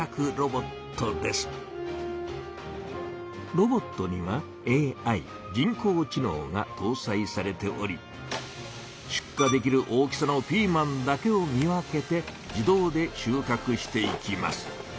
ロボットには「ＡＩ」「人工知のう」がとうさいされておりしゅっかできる大きさのピーマンだけを見分けて自動で収穫していきます。